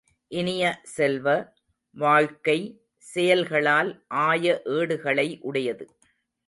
இனிய செல்வ, வாழ்க்கை, செயல்களால் ஆய ஏடுகளை உடையது.